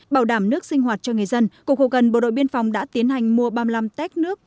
bảo đảm nước sinh hoạt cho người dân cục hậu cần bộ đội biên phòng đã tiến hành mua ba mươi năm tét nước